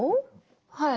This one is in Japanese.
はい。